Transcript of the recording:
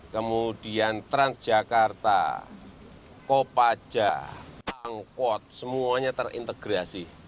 kemudian transjakarta kopaja angkot semuanya terintegrasi